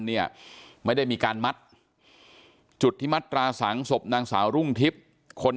เนี่ยไม่ได้มีการมัดจุดที่มัดตราสังศพนางสาวรุ่งทิพย์คน